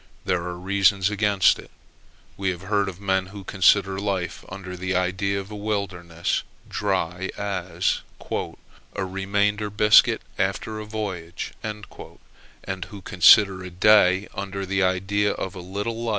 There are reasons against it. We have heard of men who consider life under the idea of a wilderness dry as "a remainder biscuit after a voyage:" and who consider a day under the idea of a little life.